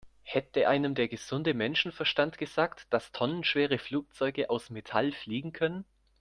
Hätte einem der gesunde Menschenverstand gesagt, dass tonnenschwere Flugzeuge aus Metall fliegen können?